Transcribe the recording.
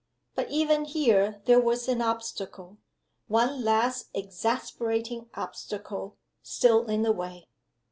But even here there was an obstacle one last exasperating obstacle still in the way.